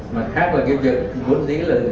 mặt khác là kiểu gì là